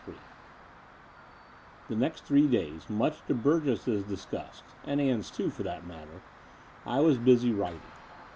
IV The next three days, much to Burgess's disgust — and Ann's, too, for that matter — I was busy writ ing.